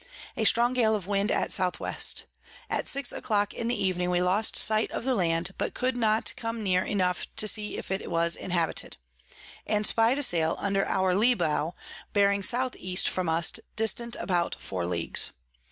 A strong Gale of Wind at S W. At six a clock in the Evening we lost sight of the Land, but could not come near enough to see if it was inhabited; and spy'd a Sail under our Lee Bow bearing S E. from us, dist. about 4 Ls.